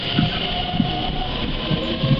আমার মক্কেলরা জেলে যায় না, মিঃ কার।